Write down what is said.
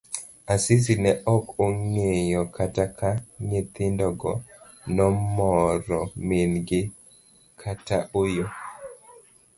Asisi ne ok ong'eyo kata ka nyithindo go nomoro min gi kata ooyo.